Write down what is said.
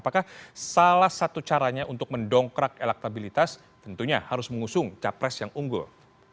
apakah salah satu caranya untuk mendongkrak elektabilitas tentunya harus mengusung capres yang unggul